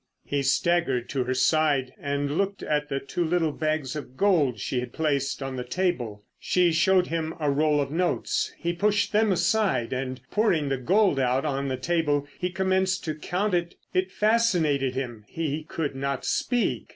He staggered to her side and looked at the two little bags of gold she had placed on the table. She showed him a roll of notes. He pushed them aside, and pouring the gold out on the table he commenced to count it. It fascinated him. He could not speak.